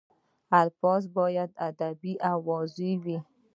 الفاظ باید ادبي او واضح وي.